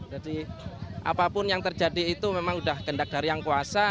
jadi apapun yang terjadi itu memang sudah gendak dariang puasa